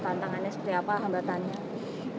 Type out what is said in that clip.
tantangannya seperti apa hambatannya